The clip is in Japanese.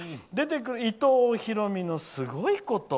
伊藤大海の、すごいこと。